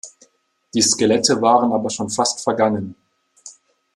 Die Skelette waren aber schon fast vergangen.